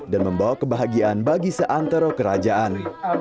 dan membawa kebahagiaan bagi seantero kerajaan